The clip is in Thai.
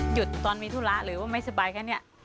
หยุดตอนมีธุระหรือว่าไม่สบายแค่นี้